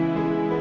aku nyari banget